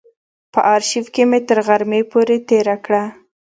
په آرشیف کې مې تر غرمې پورې تېره کړه.